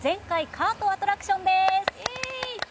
カートアトラクション」です。